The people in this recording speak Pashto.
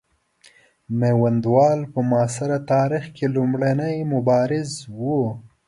میوندوال په معاصر تاریخ کې لومړنی مبارز وو.